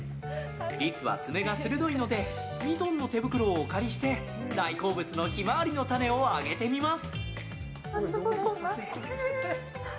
リスは爪が鋭いのでミトンの手袋をお借りして大好物のヒマワリの種をあげてみます。